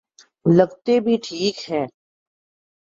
لگتے بھی ٹھیک ہیں۔